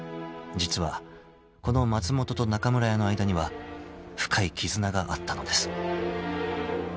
［実はこの松本と中村屋の間には深い絆があったのです］